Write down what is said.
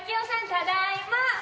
ただいま！